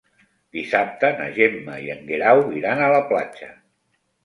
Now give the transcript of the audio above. Dissabte na Gemma i en Guerau iran a la platja.